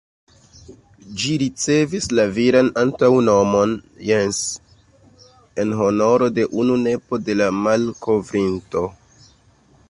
Ĝi ricevis la viran antaŭnomon ""Jens"" en honoro de unu nepo de la malkovrinto.